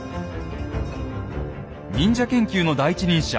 忍者研究の第一人者